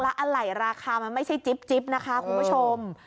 อะไรราคามันไม่ใช่จิ๊บนะคะคุณผู้ชม